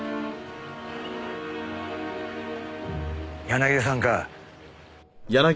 柳田さんか。